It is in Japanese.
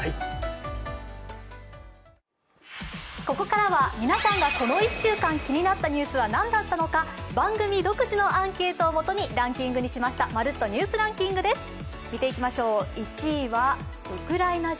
ここからは皆さんがこの１週間気になったニュースは何だったのか番組独自のアンケートをもとにランキングにしました「まるっとニュースランキング」です。